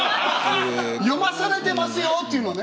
読まされてますよっていうのをね。